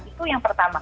itu yang pertama